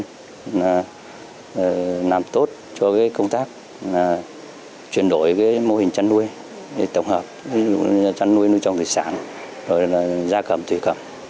điều này là làm tốt cho công tác chuyển đổi mô hình chăn nuôi tổng hợp chăn nuôi nuôi trong thủy sản rồi ra cầm thủy cầm